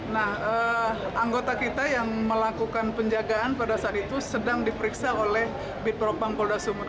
nah anggota kita yang melakukan penjagaan pada saat itu sedang diperiksa oleh bitropam polda sumur